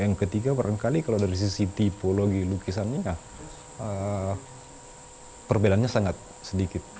yang ketiga barangkali kalau dari sisi tipologi lukisannya perbedaannya sangat sedikit